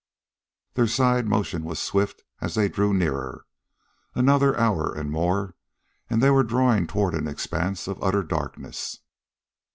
Their side motion was swift as they drew nearer. Another hour and more, and they were drawing toward an expanse of utter darkness.